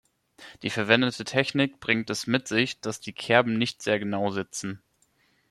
Die verwendete Technik bringt es mit sich, dass die Kerben nicht sehr genau sitzen.